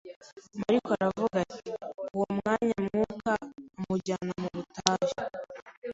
Mariko aravuga ati: « Uwo mwanya Mwuka amujyana mu butayu